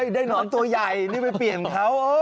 หนอนตัวใหญ่นี่ไปเปลี่ยนเขา